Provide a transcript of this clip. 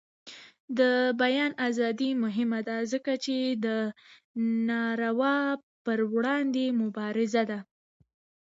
د بیان ازادي مهمه ده ځکه چې د ناروا پر وړاندې مبارزه ده.